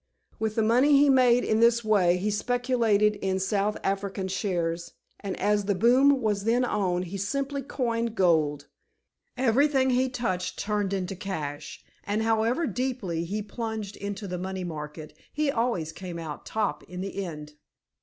With the money he made in this way, he speculated in South African shares, and, as the boom was then on, he simply coined gold. Everything he touched turned into cash, and however deeply he plunged into the money market, he always came out top in the end.